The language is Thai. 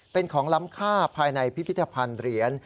เป็นของล้ำค่าภายในพิพิธภัณฑ์เหรียญ